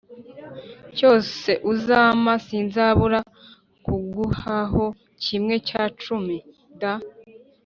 cyose uzampa sinzabura kuguhaho kimwe cya cumi d